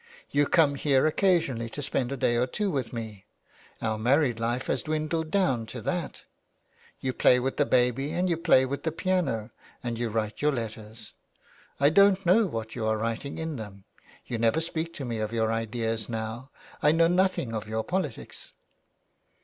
You come here occasionally to spend a day or two with me. Our married life has dwindled down to that. You play with the baby and you play with the piano, and you write your letters. I don't know what you are writing in them. You never speak to me of your ideas now, I know nothing of your politics."